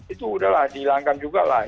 itu udahlah dihilangkan juga lah